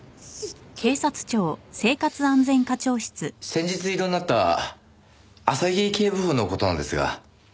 先日異動になった浅木警部補の事なんですが。